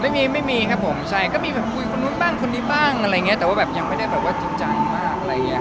ไม่มีไม่มีครับผมใช่ก็มีแบบคุยคนนู้นบ้างคนนี้บ้างอะไรอย่างเงี้แต่ว่าแบบยังไม่ได้แบบว่าจริงจังมากอะไรอย่างเงี้